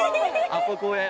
あそこへ。